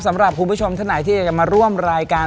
สำหรับคุณผู้ชมท่านไหนที่อยากจะมาร่วมรายการ